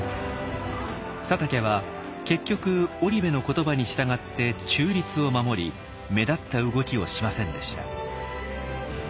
佐竹は結局織部の言葉に従って中立を守り目立った動きをしませんでした。